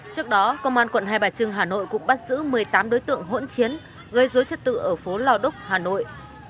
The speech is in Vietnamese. trước đó công an quận hai bà trưng hà nội cũng bắt giữ một mươi tám đối tượng hỗn chiến gây dối trật tự ở phố lò đúc hà nội